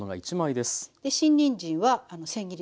新にんじんはせん切りです。